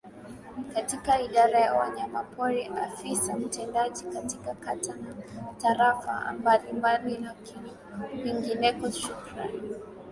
katika Idara ya Wanyamapori Afisa mtendaji katika Kata na Tarafa mbalimbali na kwinginekoShukrani